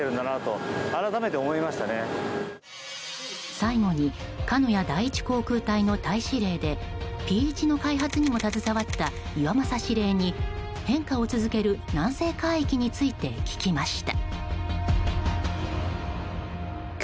最後に鹿屋第１航空隊の隊指令でＰ１の開発にも携わった岩政指令に変化を続ける南西海域について聞きました。